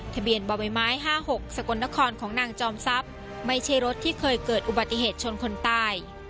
ทะเบียนบ่อใบไม้๕๖สกลนครของนางจอมทรัพย์ไม่ใช่รถที่เคยเกิดอุบัติเหตุชนคนตาย